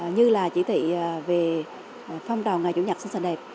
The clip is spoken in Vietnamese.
như là chỉ thị về phong trào ngày chủ nhật sơn sơn đẹp